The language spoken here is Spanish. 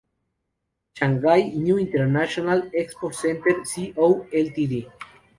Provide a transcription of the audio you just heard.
Shanghai New International Expo Centre Co., Ltd.